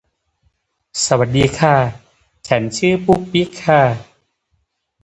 แต่ไม่ชัวร์อย่างมาก